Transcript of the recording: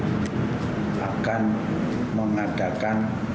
pendapatan yang akan diberikan oleh dinas pendidikan